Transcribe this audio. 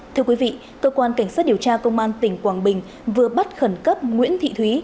thưa quý vị cơ quan cảnh sát điều tra công an tỉnh quảng bình vừa bắt khẩn cấp nguyễn thị thúy